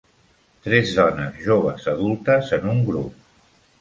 Tres dones joves adultes en un grup.